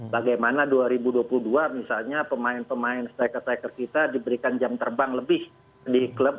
bagaimana dua ribu dua puluh dua misalnya pemain pemain striker striker kita diberikan jam terbang lebih di klub